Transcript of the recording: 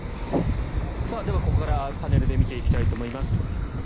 では、ここからパネルで見ていきたいと思います。